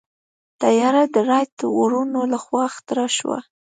طیاره د رائټ وروڼو لخوا اختراع شوه.